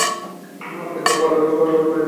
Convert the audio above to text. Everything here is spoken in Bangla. আর তিনবার পালালেই, সোয়া শতক হয়ে যাবে।